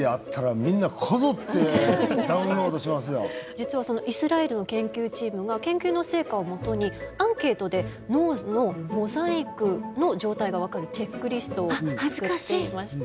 実はそのイスラエルの研究チームが研究の成果をもとにアンケートで脳のモザイクの状態が分かるチェックリストを作ってまして。